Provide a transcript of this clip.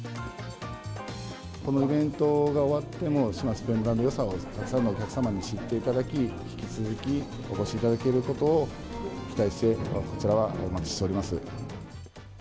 このイベントが終わっても、志摩スペイン村のよさをたくさんのお客様に知っていただき、引き続きお越しいただけることを期待してお待ちしております。